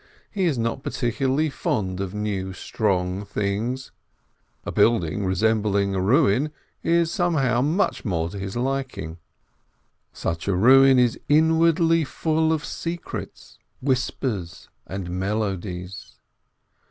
He is not particularly fond of new, strong things, a building resembling a ruin is somehow much more to his liking. Such a ruin is inwardly full of secrets, whispers, and melodies.